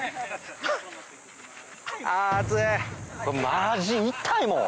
マジ痛いもう！